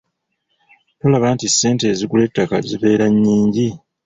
Tolaba nti ssente ezigula ettaka zibeera nnyingi?